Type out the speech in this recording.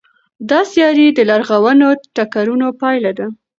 دا سیارې د لرغونو ټکرونو پایله ده.